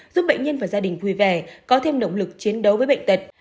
giúp bệnh nhân và gia đình vui vẻ có thêm động lực chiến đấu với bệnh tật